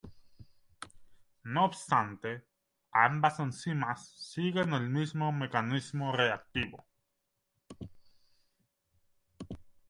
No obstante ambas enzimas siguen el mismo mecanismo reactivo.